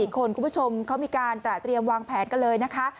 ๔คนคุณผู้ชมเขามีการตระเตรียมวางแผนกันเลยนะคะ